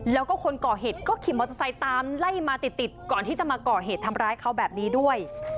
แล้วก็คนก่อเหตุก็ขี่มอเตอร์ไซค์ตามไล่มาติดก่อนที่จะมาก่อเหตุทำร้ายเขาแบบนี้ด้วย